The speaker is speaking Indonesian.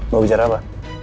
mau bicara apa